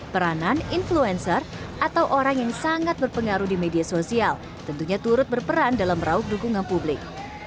peranan influencer atau orang yang sangat berpengaruh di media sosial tentunya turut berperan dalam meraup dukungan publik